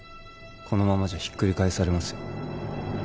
このままじゃひっくり返されますよ